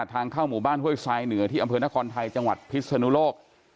ทางเข้าหมู่บ้านห้วยทรายเหนือที่อำเภอนครไทยจังหวัดพิศนุโลก